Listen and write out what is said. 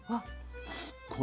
すっごい。